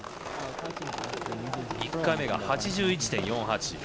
１回目が８１．４８。